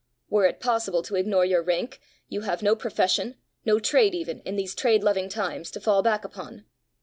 Were it possible to ignore your rank, you have no profession, no trade even, in these trade loving times, to fall back upon.